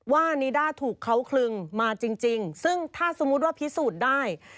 ว่านิด้าถูกเขาคลึงมาจริงซึ่งถ้าสมมุติว่าพิสูจน์ได้